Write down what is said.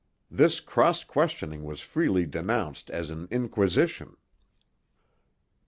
This cross questioning was freely denounced as an 'inquisition.'